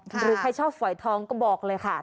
หรือใครชอบฝอยทองก็บอกเลยค่ะ